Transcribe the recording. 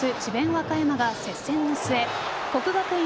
和歌山が接戦の末国学院